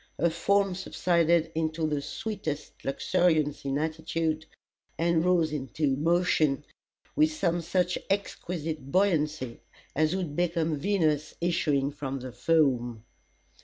Her form subsided into the sweetest luxuriance of attitude, and rose into motion with some such exquisite buoyancy, as would become Venus issuing from the foam.